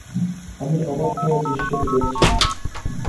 আমি অবাক হয়ে দৃশ্যটি দেখছি।